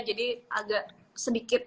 jadi agak sedikit